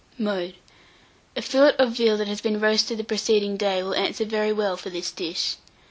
Mode. A fillet of real that has been roasted the preceding day will answer very well for this dish.